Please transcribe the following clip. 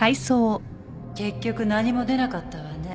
結局何も出なかったわね